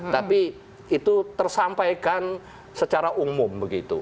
tapi itu tersampaikan secara umum begitu